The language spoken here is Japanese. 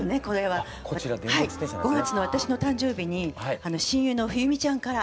はい５月の私の誕生日に親友の冬美ちゃんから。